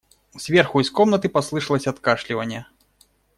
Сверху из комнаты послышалось откашливание.